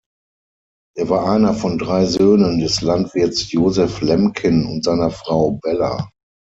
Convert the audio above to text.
Er war einer von drei Söhnen des Landwirts Joseph Lemkin und seiner Frau Bella.